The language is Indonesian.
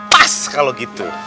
pas kalau gitu